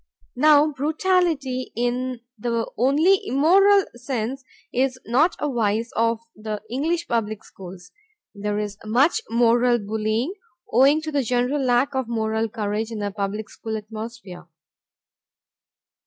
Now brutality, in the only immoral sense, is not a vice of the English public schools. There is much moral bullying, owing to the general lack of moral courage in the public school atmosphere.